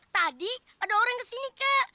tadi ada orang kesini kak